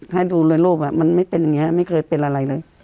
ให้ดูเลยรูปมันไม่เป็นอย่างนี้ไม่เคยเป็นอะไรเลย